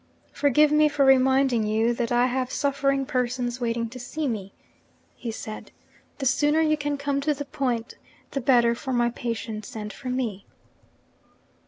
'Forgive me for reminding you that I have suffering persons waiting to see me,' he said. 'The sooner you can come to the point, the better for my patients and for me.'